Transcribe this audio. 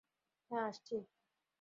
হ্যাঁ, আসছি।